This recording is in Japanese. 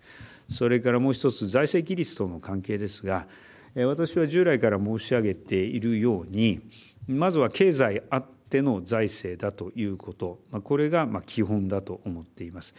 それからもう一つ財政との関係ですが私は従来から申し上げているようにまずは経済あっての財政だということこれが基本だと思っています。